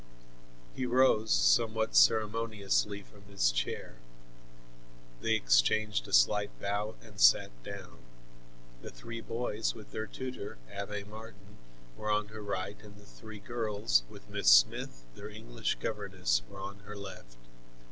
He rose somewhat ceremoniously from his chair. They exchanged a slight bow and sat down. The three boys with their tutor, Abbe Martin, were on her right and the three girls, with Miss Smith, their English governess, were on her left.